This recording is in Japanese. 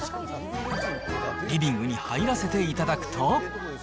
リビングに入らせていただくと。